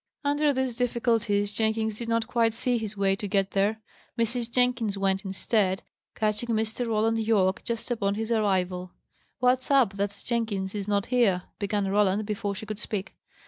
Under these difficulties Jenkins did not quite see his way to get there. Mrs. Jenkins went instead, catching Mr. Roland Yorke just upon his arrival. "What's up, that Jenkins is not here?" began Roland, before she could speak.